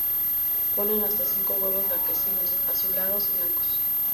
Ponen hasta cinco huevos blanquecinos, azulados y blancos.